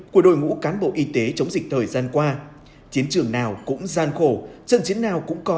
của đội ngũ cán bộ y tế chống dịch thời gian qua chiến trường nào cũng gian khổ trận chiến nào cũng có